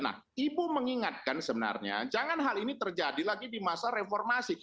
nah ibu mengingatkan sebenarnya jangan hal ini terjadi lagi di masa reformasi